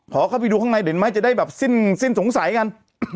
ขอเข้าไปดูข้างในเดี๋ยวไหมจะได้แบบสิ้นสงสัยกัน